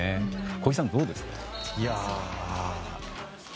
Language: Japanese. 小木さん、どうですか？